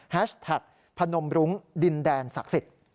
แท็กพนมรุ้งดินแดนศักดิ์สิทธิ์